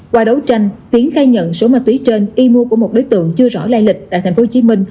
qua đấu tranh tiến khai nhận số ma túy trên y mua của một đối tượng chưa rõ lai lịch tại tp hcm